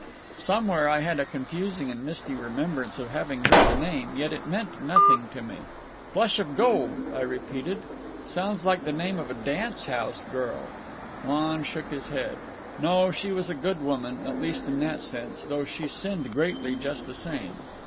Somewhere I had a confused and misty remembrance of having heard the name, yet it meant nothing to me. "Flush of Gold," I repeated; "sounds like the name of a dance house girl." Lon shook his head. "No, she was a good woman, at least in that sense, though she sinned greatly just the same."